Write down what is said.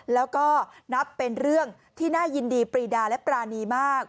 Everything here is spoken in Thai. แล้วก็นับเป็นเรื่องที่น่ายินดีปรีดาและปรานีมาก